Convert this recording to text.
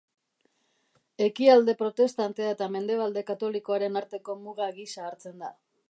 Ekialde protestantea eta mendebalde katolikoaren arteko muga gisa hartzen da.